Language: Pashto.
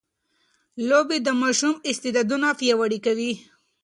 لوبې د ماشوم استعدادونه پياوړي کوي.